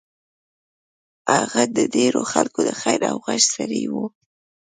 هغه د ډېرو خلکو د خېر او غږ سړی و.